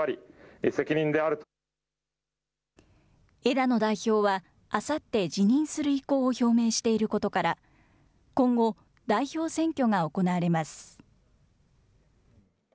枝野代表は、あさって辞任する意向を表明していることから、今後、代表選挙が行われます。